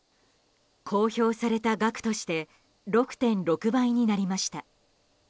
公表された額として６．６倍になりました。